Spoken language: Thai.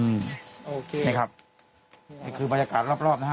โอเคนี่ครับนี่คือบรรยากาศรอบรอบนะฮะ